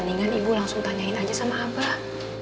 mendingan ibu langsung tanyain aja sama abah